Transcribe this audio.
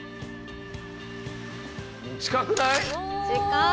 近くない？